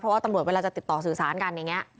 เพราะว่าตำรวจเวลาจะติดต่อสื่อสารกันอย่างนี้